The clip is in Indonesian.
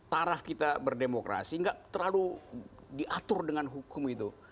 taraf kita berdemokrasi nggak terlalu diatur dengan hukum itu